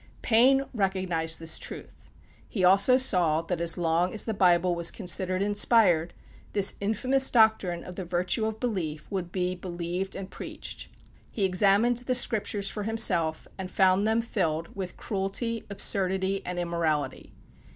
Paine recognized this truth. He also saw that as long as the Bible was considered inspired, this infamous doctrine of the virtue of belief would be believed and preached. He examined the Scriptures for himself, and found them filled with cruelty, absurdity, and immorality.